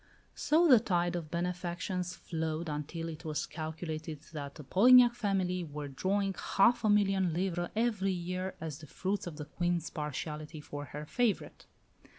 So the tide of benefactions flowed until it was calculated that the Polignac family were drawing half a million livres every year as the fruits of the Queen's partiality for her favourite.